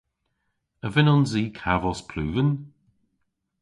A vynnons i kavos pluven?